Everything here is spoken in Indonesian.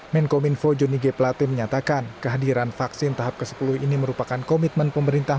menkominfo joni g platem menyatakan kehadiran vaksin tahap ke sepuluh ini merupakan komitmen pemerintah